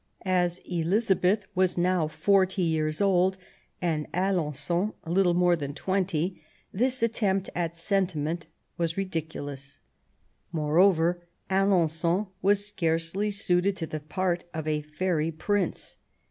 As Elizabeth was now forty years old, and Alen9on little more than twenty, this attempt at sentiment was ridiculous. Moreover, Alen9on was scarcely suited to the part of a fairy prince.